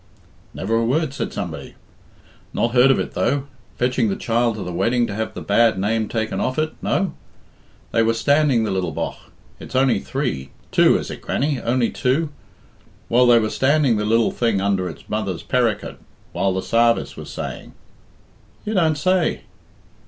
"Never a word," said somebody. "Not heard of it, though? Fetching the child to the wedding to have the bad name taken off it no? They were standing the lil bogh it's only three two is it, Grannie, only two? well, they were standing the lil thing under its mother's perricut while the sarvice was saying." "You don't say!"